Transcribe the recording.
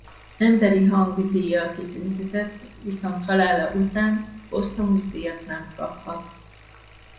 Emberi Hang díjjal kitüntetett viszont halála után posztumusz díjat nem kaphat.